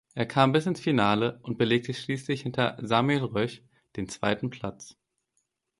Er kam bis ins Finale und belegte schließlich hinter Samuel Rösch den zweiten Platz.